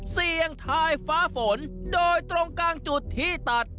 เสี่ยงทายฟ้าฝนโดยตรงกลางจุดที่ตัด